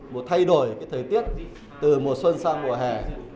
một thay đổi thời tiết từ mùa xuân sang mùa hè